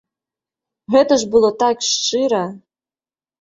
Гэта ж было так шчыра!